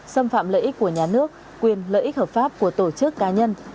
xâm phạm lợi ích của nhà nước quyền lợi ích hợp pháp của tổ chức cá nhân